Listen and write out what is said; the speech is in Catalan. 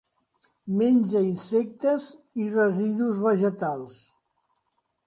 Menja insectes i residus vegetals.